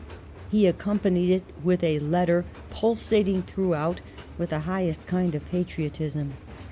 He accompanied it with a letter pul sating throughout with the highest kind of patriotism.